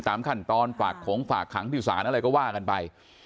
ตามขั้นตอนฝากของฝากขังที่ศาลอะไรก็ว่ากันไป